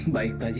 baik pak haji